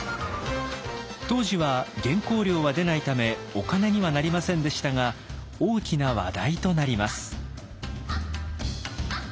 当時は原稿料は出ないためお金にはなりませんでしたが大きな話題となります。